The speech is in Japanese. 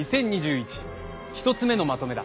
１つ目のまとめだ。